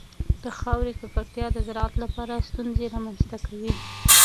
د خاورې ککړتیا د زراعت لپاره ستونزې رامنځته کوي.